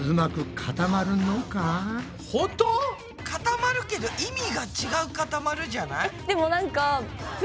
固まるけど意味がちがう固まるじゃない？